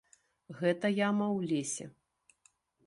Гэта яма ў лесе.